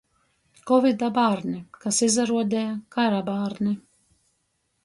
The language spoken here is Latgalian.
Kovida bārni, kas izaruodeja kara bārni.